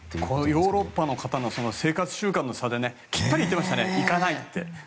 ヨーロッパの方の生活習慣の差できっぱり言ってましたね行かないって。